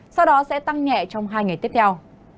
sau đó sẽ tăng nhẹ trong hai ngày tiếp theo